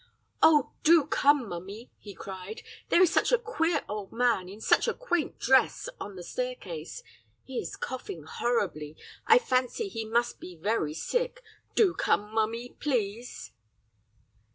"'Oh, do come, mummy,' he cried, 'there is such a queer old man in such a quaint dress on the staircase. He is coughing horribly. I fancy he must be very sick. Do come, mummy please.